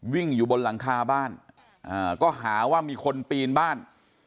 วิ่งอยู่บนหลังคาบ้านก็หาว่ามีคนปีนบ้าน